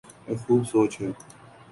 کیا خوب سوچ ہے۔